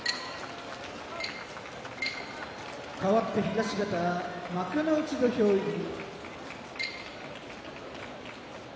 かわって東方幕内土俵入り。